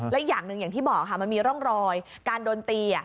และอีกอย่างหนึ่งอย่างที่บอกค่ะมันมีร่องรอยการโดนตี